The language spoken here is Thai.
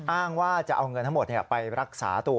อ้างว่าจะเอาเงินทั้งหมดไปรักษาตัว